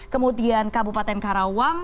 kemudian kabupaten karawang